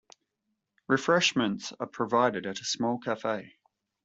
Refreshments are provided at a small cafe.